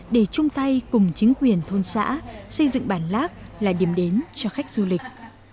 để chung tay cùng chính quyền thôn xã xây dựng bản lác là điểm đến cho khách du lịch